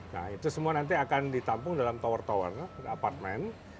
nah itu semua nanti akan ditampung dalam tower tower apartemen